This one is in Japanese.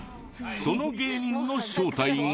その芸人の正体が。